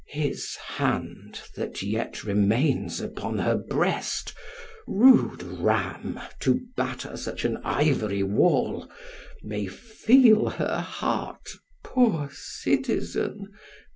His hand, that yet remains upon her breast, Rude ram, to batter such an ivory wall! May feel her heart poor citizen!